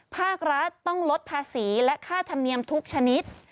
ภาครัฐต้องลดภาษีและค่าธรรมเนียมทุกชนิด